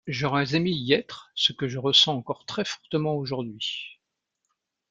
J'aurais aimé y être, ce que je ressens encore très fortement aujourd'hui.